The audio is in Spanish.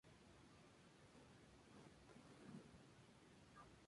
Siendo herbívoros, vivieron a veces en manadas, siendo más numerosa que los saurisquios.